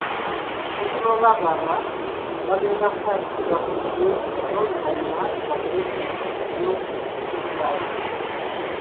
Ssekiboobo agamba bagenda kutandikira ku bbugwe n'oluvannyuma bakole ku ky'okugiddaabiriza.